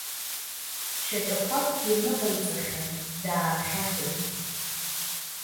Шьаҿақәакгьы ныҟаиҵахьан, даахьаҳәын.